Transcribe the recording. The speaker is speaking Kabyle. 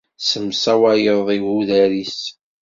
Tessemsawayeḍ iɣudar-is.